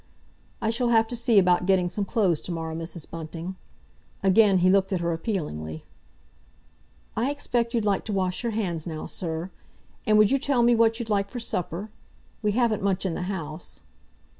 "I shall have to see about getting some clothes to morrow, Mrs. Bunting." Again he looked at her appealingly. "I expect you'd like to wash your hands now, sir. And would you tell me what you'd like for supper? We haven't much in the house."